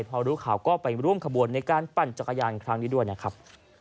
พอรู้ข่าวก็ไปร่วมขบวนในการปั่นจักรยานครั้งนี้ด้วยนะครับ